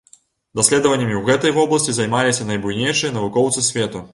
Даследаваннямі ў гэтай вобласці займаліся найбуйнейшыя навукоўцы свету.